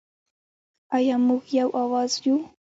آیا موږ یو اواز یو؟